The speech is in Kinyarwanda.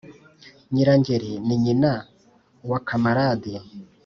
Nyirangeri ninyina wakamarade